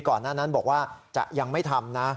ก่อนหน้านั้นบอกว่าจะยังไม่ทำนะ